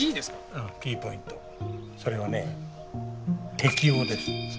うんキーポイントそれはね適応です。